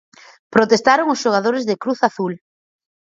Protestaron os xogadores de Cruz Azul.